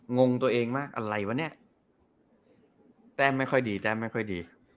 งงตัวเองมากอะไรวะเนี่ยแต้มไม่ค่อยดีแต้มไม่ค่อยดี